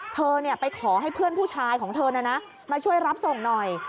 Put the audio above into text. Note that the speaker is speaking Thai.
เธอไปขอให้เพื่อนผู้ชายของเธอมาช่วยรับส่งหน่อย